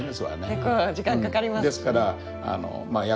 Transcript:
結構時間かかりますしね。